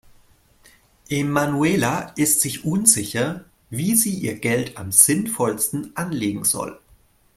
Emanuela ist sich unsicher, wie sie ihr Geld am sinnvollsten anlegen soll.